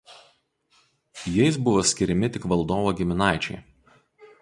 Jais buvo skiriami tik valdovo giminaičiai.